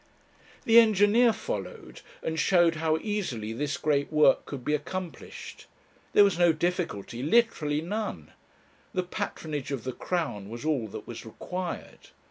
The engineer followed, and showed how easily this great work could be accomplished. There was no difficulty, literally none. The patronage of the Crown was all that was required.